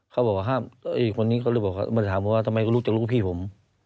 เขาบอกว่าห้ามคนนี้ก็เลยบอกมาถามผมว่าทำไมก็รู้จักลูกพี่ผม